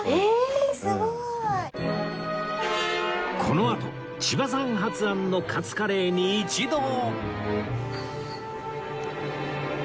このあと千葉さん発案のカツカレーに一同